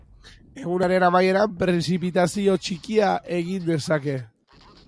Egunaren amaieran, prezipitazio txikia egin dezake.